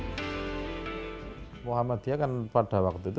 nah muhammadiyah kan pada waktu itu